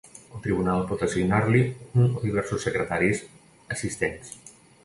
El Tribunal pot assignar-li un o diversos secretaris assistents.